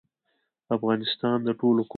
افغانستان د ټولو کور دی